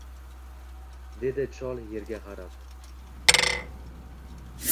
Dedi chol yerga qarab